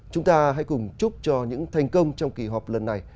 chúng ta hãy cùng chúc cho những thành công trong kỳ họp lần này